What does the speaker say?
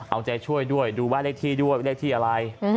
เอาใจช่วยด้วยดูว่าเลขที่ด้วยเลขที่อะไร